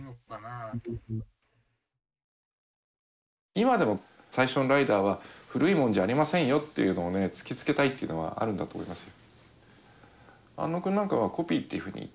今でも最初のライダーは古いもんじゃありませんよというのをね突きつけたいっていうのはあるんだと思いますよ。